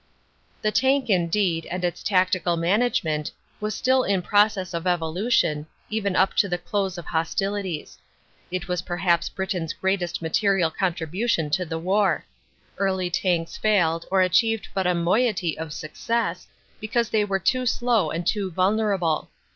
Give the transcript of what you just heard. The tank indeed, and its tactical management, was still in process of evolution even up to the close of hostilities. It was perhaps Britain s greatest material contribution to the war. Early tanks failed, or achieved but a moiety of success, because they were too slow and too vulnerable.